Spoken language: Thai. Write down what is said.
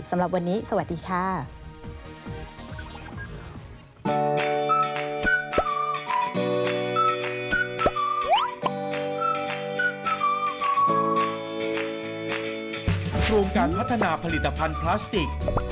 สำหรับวันนี้สวัสดีค่ะ